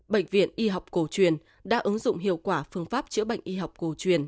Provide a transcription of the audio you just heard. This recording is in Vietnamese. bệnh viện y học cổ truyền đã ứng dụng hiệu quả phương pháp chữa bệnh y học cổ truyền